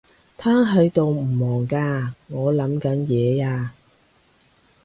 癱喺度唔忙㗎？我諗緊嘢呀